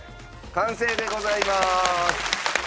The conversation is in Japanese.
完成でございます！